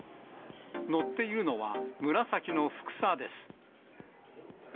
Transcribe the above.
載っているのは、紫のふくさです。